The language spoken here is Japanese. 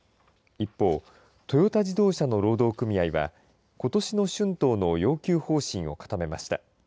一方、トヨタ自動車の労働組合はことしの春闘の要求方針を固めました。